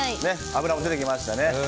脂も出てきましたね。